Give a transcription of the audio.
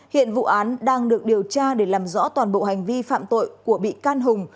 hiện vụ án đang được điều tra để làm rõ toàn bộ hành vi phạm tội của bị can hùng